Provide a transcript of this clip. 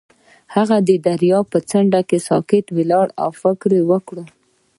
هغه د دریاب پر څنډه ساکت ولاړ او فکر وکړ.